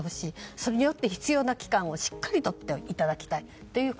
それによって必要な期間をしっかりとっていただきたい